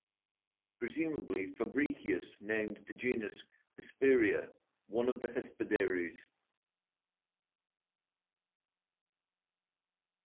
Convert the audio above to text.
Presumably Fabricius named the genus for Hesperia, one of the Hesperides.